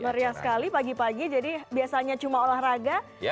meriah sekali pagi pagi jadi biasanya cuma olahraga